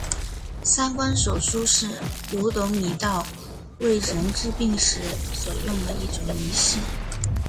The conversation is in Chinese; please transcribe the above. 三官手书是五斗米道为人治病时所用的一种仪式。